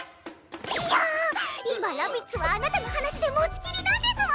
いや今ラビッツはあなたの話で持ちきりなんですわ！